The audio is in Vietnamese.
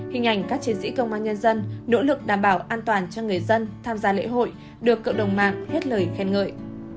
hình ảnh các chiến sĩ công an nhân dân nỗ lực đảm bảo an toàn cho người dân tham gia lễ hội được cộng đồng mạng hết lời khen ngợi